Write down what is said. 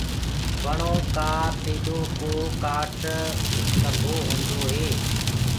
وڻو ڪآ پيڏو ڪو ڪآٽ سگھو هوندو هي۔